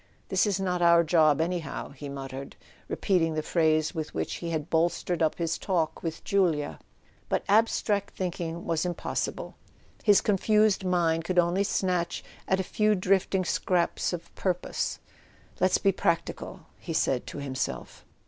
"This is not our job anyhow," he muttered, repeating the phrase with which he had bolstered up his talk with Julia. But abstract thinking was impossible: his confused mind could only snatch at a few drifting scraps of pur¬ pose. "Let's be practical," he said to himself.